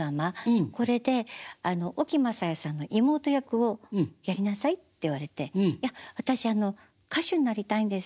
これで「沖雅也さんの妹役をやりなさい」って言われて「いや私歌手になりたいんです。